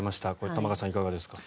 玉川さん、いかがですか。